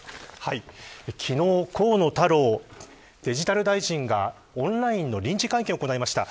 昨日、河野太郎デジタル大臣がオンラインの臨時会見を行いました。